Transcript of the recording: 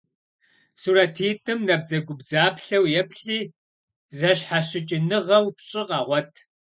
Сурэтитӏым набдзэгубдзаплъэу еплъи, зэщхьэщыкӏыныгъэу пщӏы къэгъуэт.